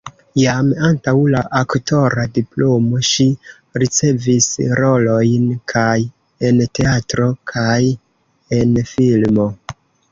Jam antaŭ la aktora diplomo ŝi ricevis rolojn kaj en teatro, kaj en filmo.